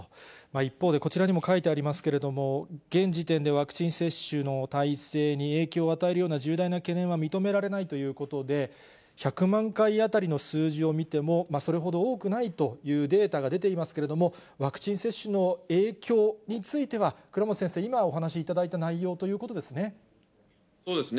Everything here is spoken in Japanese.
一方でこちらにも書いてありますけれども、現時点でワクチン接種の体制に影響を与えるような重大な懸念は認められないということで、１００万回当たりの数字を見ても、それほど多くないというデータが出ていますけれども、ワクチン接種の影響については、倉持先生、今お話しいただいた内容ということですね。